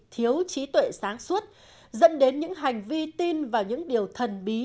thiếu trí tuệ sáng suốt dẫn đến những hành vi tin vào những điều thần bí